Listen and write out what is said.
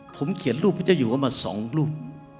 ผมเขียนรูปพระเจ้าอยู่ว่ามา๒รูป